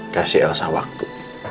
kasih elsa waktu